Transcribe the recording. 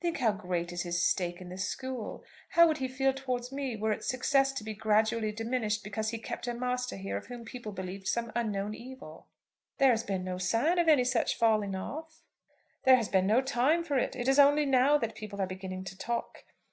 Think how great is his stake in the school! How would he feel towards me, were its success to be gradually diminished because he kept a master here of whom people believed some unknown evil?" "There has been no sign of any such falling off?" "There has been no time for it. It is only now that people are beginning to talk.